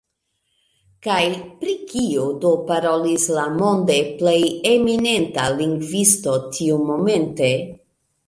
Kaj pri kio do parolis la monde plej eminenta lingvisto tiumomente?